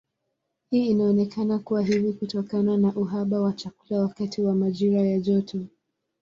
Hii inaonekana kuwa hivi kutokana na uhaba wa chakula wakati wa majira ya joto.